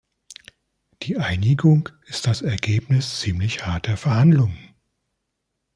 Die Einigung ist das Ergebnis ziemlich harter Verhandlungen.